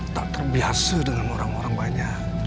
tak terbiasa dengan orang orang banyak